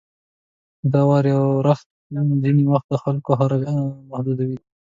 • د واورې اورښت ځینې وخت د خلکو حرکت محدودوي.